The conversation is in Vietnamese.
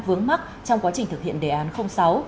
vướng mắt trong quá trình thực hiện đề án sáu